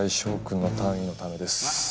翔くんの単位のためです。